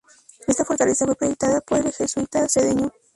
Esta fortaleza fue proyectada por el jesuita Sedeño.